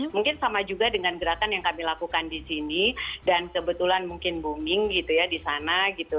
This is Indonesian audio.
mungkin sama juga dengan gerakan yang kami lakukan di sini dan kebetulan mungkin booming gitu ya di sana gitu